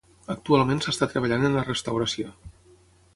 Actualment s'està treballant en la restauració.